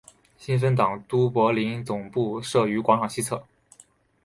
新芬党都柏林总部设于广场西侧。